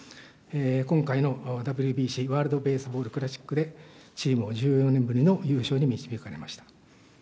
今回のＷＢＣ・ワールドベースボールクラシックでチームを１４年ぶりの優勝に導かれました。